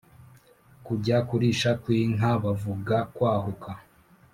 Kujya kurisha kw’inka bavuga kwahuka